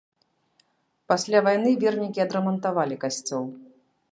Пасля вайны вернікі адрамантавалі касцёл.